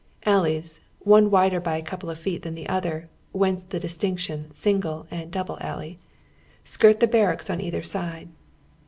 Alleys — one wider by a conplo of feet than the other, whence the distinction Single and Double Alley — skirt the barracks on either side.